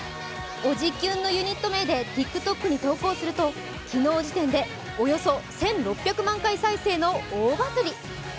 おじキュン！のユニット名でＴｉｋＴｏｋに投稿すると昨日時点でおよそ１６００万回再生の大バズり。